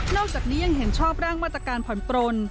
อกจากนี้ยังเห็นชอบร่างมาตรการผ่อนปลน